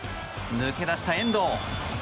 抜け出した遠藤。